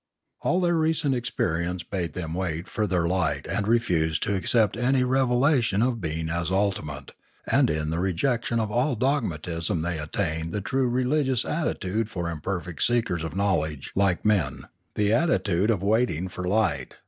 All their recent experience bade them wait further light and refuse to accept any re velation of being as ultimate, and in the rejection of all dogmatism they attained the true religious attitude for imperfect seekers of knowledge like men, the attitude of waiting for light.